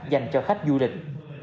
dành cho khách du lịch